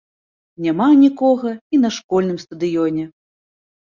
Няма нікога і на школьным стадыёне.